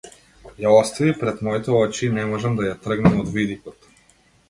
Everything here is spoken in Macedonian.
Ја остави пред моите очи и не можам да ја тргнам од видикот.